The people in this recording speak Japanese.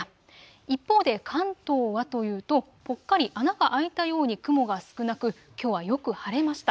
一方で関東はというとぽっかり穴があいたように雲が少なくきょうはよく晴れました。